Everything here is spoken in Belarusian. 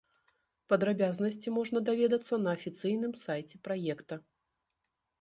Падрабязнасці можна даведацца на афіцыйным сайце праекта.